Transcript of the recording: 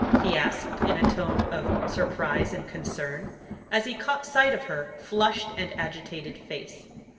he asked in a tone of surprise and concern, as he caught sight of her flushed and agitated face.